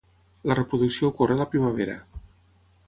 La reproducció ocorre a la primavera.